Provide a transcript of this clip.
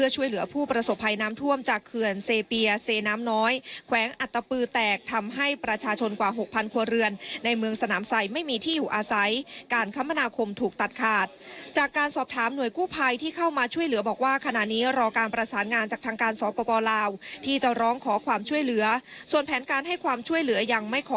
ช่วยเหลือยังไม่ขอเปิดเผย